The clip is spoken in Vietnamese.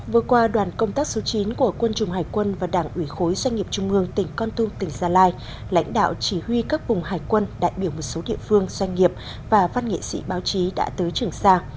vừa qua đoàn công tác số chín của quân chủng hải quân và đảng ủy khối doanh nghiệp trung ương tỉnh con tum tỉnh gia lai lãnh đạo chỉ huy các vùng hải quân đại biểu một số địa phương doanh nghiệp và văn nghệ sĩ báo chí đã tới trường sa